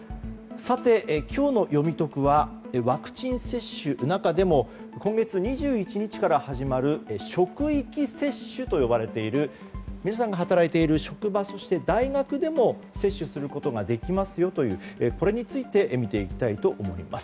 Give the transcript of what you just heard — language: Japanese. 今日のよみトクはワクチン接種、中でも今月２１日から始まる職域接種と呼ばれている皆さんが働いている職場そして大学でも接種することができますよという、これについて見ていきたいと思います。